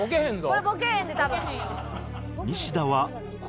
これボケへんで多分。